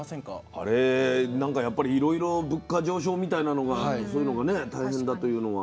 あれ何かやっぱりいろいろ物価上昇みたいなのがあってそういうのがね大変だというのは。